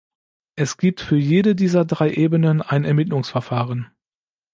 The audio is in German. Es gibt für jede dieser drei Ebenen ein Ermittlungsverfahren.